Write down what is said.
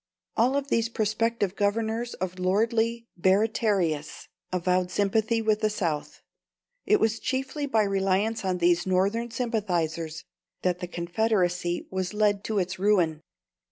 All of these prospective governors of lordly Baratarias avowed sympathy with the South. It was chiefly by reliance on these Northern sympathisers that the Confederacy was led to its ruin.